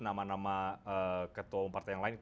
nama nama ketua umpamanya yang lain